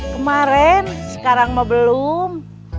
kemaren sekarang mau belum